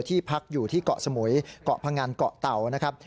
พักอยู่ที่เกาะสมุยเกาะพงันเกาะเตานะครับ